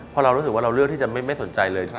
พอเรารู้สึกว่าเราเลือกที่จะไม่สนใจเลยใช่ไหม